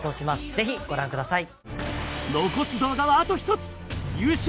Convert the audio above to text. ぜひご覧ください。